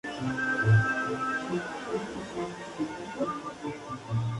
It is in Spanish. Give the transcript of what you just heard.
De padre compositor y madre cantante, estuvo rodeada de la música desde temprana edad.